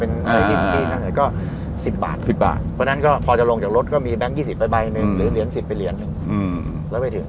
เป็นที่มาถึงก็สิบบาทสิบบาทเพราะฉะนั้นก็พอจะลงจากรถก็มียี่สิบใบนึงหรือเหรียญสิบไปเหรียญหนึ่ง